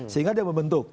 sehingga dia membentuk